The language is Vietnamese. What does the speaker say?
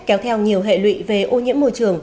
kéo theo nhiều hệ lụy về ô nhiễm môi trường